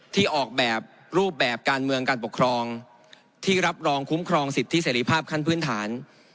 ที่ออกแบบรูปแบบการเมืองการปกครองที่รับรองคุ้มครองสิทธิเสรีภาพขั้นพื้นฐาน